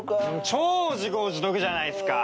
超自業自得じゃないっすか。